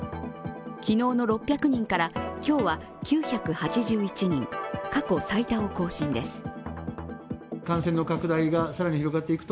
昨日の６００人から今日は９８１人、過去最多を更新です。